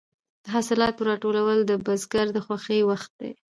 د حاصلاتو راټولول د بزګر د خوښۍ وخت دی.